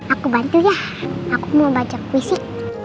aku bantu ya aku mau baca puisi